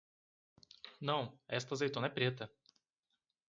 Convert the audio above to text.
Não, esta azeitona é preta.